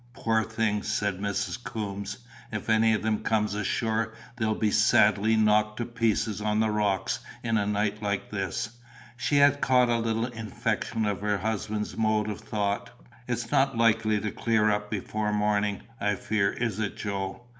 "Poor things!" said Mrs. Coombes. "If any of them comes ashore, they'll be sadly knocked to pieces on the rocks in a night like this." She had caught a little infection of her husband's mode of thought. "It's not likely to clear up before morning, I fear; is it, Joe?"